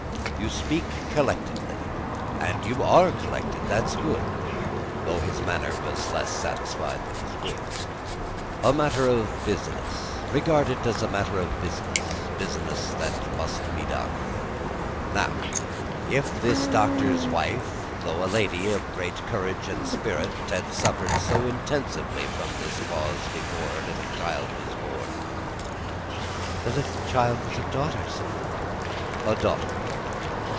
"You speak collectedly, and you are collected. That's good!" (Though his manner was less satisfied than his words.) "A matter of business. Regard it as a matter of business business that must be done. Now if this doctor's wife, though a lady of great courage and spirit, had suffered so intensely from this cause before her little child was born " "The little child was a daughter, sir." "A daughter.